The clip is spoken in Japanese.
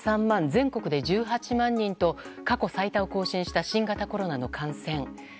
全国で１８万人と過去最多を更新した新型コロナの感染。